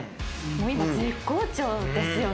今絶好調ですよね。